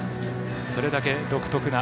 それだけ独特な。